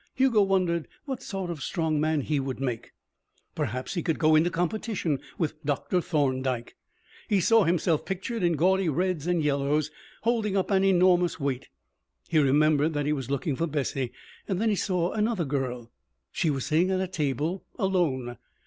Hugo wondered what sort of strong man he would make. Perhaps he could go into competition with Dr. Thorndyke. He saw himself pictured in gaudy reds and yellows, holding up an enormous weight. He remembered that he was looking for Bessie. Then he saw another girl. She was sitting at a table, alone.